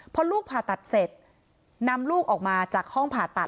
พอลูกผ่าตัดเสร็จนำลูกออกมาจากห้องผ่าตัด